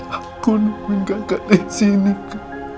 aku nemuin kakak disini kak